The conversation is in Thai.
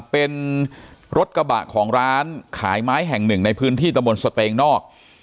เป็นรถกระบะของร้านขายไม้แห่งหนึ่งในพื้นที่ตะบนสเตงนอก